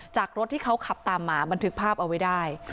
รถที่เขาขับตามมาบันทึกภาพเอาไว้ได้